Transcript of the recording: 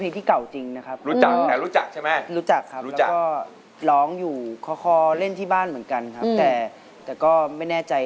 พลิกที่ห้าไหมพลิกที่ห้าไหมพลิกที่ห้าไหมพลิกที่ห้าไหมพลิกที่ห้าไ